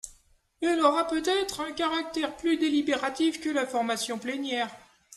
Elle aura peut-être un caractère plus délibératif que la formation plénière.